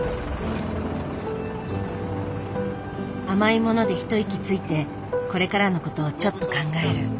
甘いもので一息ついてこれからのことをちょっと考える。